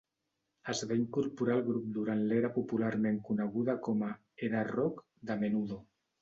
Es va incorporar al grup durant l'era popularment coneguda com a "era Rock" de Menudo.